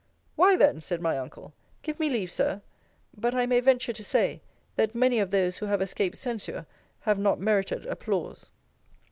Why then, said my uncle Give me leave, Sir but I may venture to say, that many of those who have escaped censure, have not merited applause.